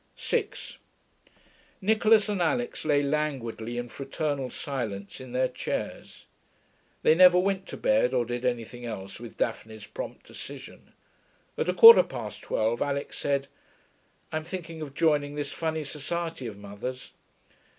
6 Nicholas and Alix lay languidly, in fraternal silence, in their chairs. They never went to bed or did anything else with Daphne's prompt decision. At a quarter past twelve Alix said, 'I'm thinking of joining this funny society of mother's.'